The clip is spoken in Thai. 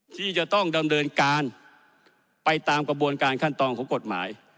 ที่จะต้องดำเนินการไปตามกระบวนการขั้นตอนของกฎหมาย